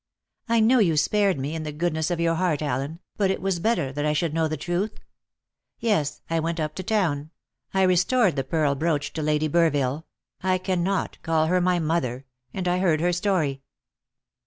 "I know you spared me, in the goodness of your heart, Allen, but it was better that I should know the truth. Yes, I went up to town; I restored the pearl brooch to Lady Burville I cannot call her my mother and I heard her story."